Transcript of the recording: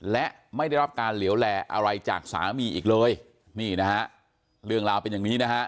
และไม่ได้รับการเหลวแหล่อะไรจากสามีอีกเลยนี่นะฮะเรื่องราวเป็นอย่างนี้นะฮะ